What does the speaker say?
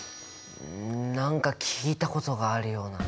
ん何か聞いたことがあるような。